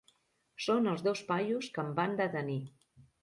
Són els dos paios que em van detenir.